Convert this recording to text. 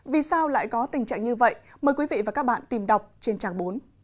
vì sao lại có tình trạng như vậy mời quý vị và các bạn tìm đọc trên trang bốn